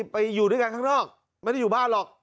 ไปอยู่ด้วยกันข้างนอกไม่ได้อยู่บ้านหรอก